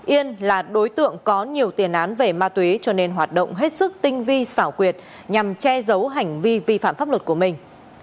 yên là đối tượng có nhiều tiền án về ma túy cho nên hoạt động hết sức tinh vi xảo quyệt nhằm che giấu hành vi vi phạm pháp luật của mình